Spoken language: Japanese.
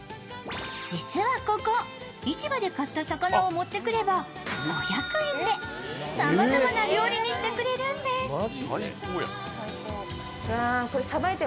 実はここ、市場で買った魚を持ってくれば５００円でさまざまな料理にしてくれるんです。